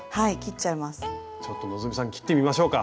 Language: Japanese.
ちょっと希さん切ってみましょうか。